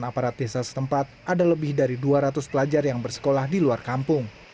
aparat desa setempat ada lebih dari dua ratus pelajar yang bersekolah di luar kampung